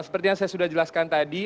seperti yang saya sudah jelaskan tadi